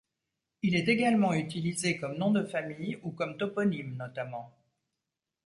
Il est également utilisé comme nom de famille ou comme toponyme, notamment.